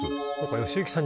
良幸さん